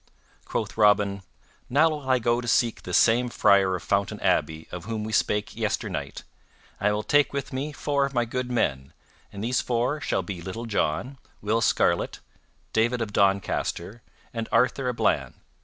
Quoth Robin, "Now will I go to seek this same Friar of Fountain Abbey of whom we spake yesternight, and I will take with me four of my good men, and these four shall be Little John, Will Scarlet, David of Doncaster, and Arthur a Bland.